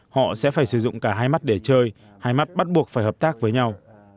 họ sẽ phải sử dụng cả hai mắt để chơi hai mắt bắt buộc phải hợp tác với nhau